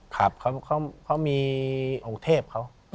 ครับเขามีองค์เทพเขา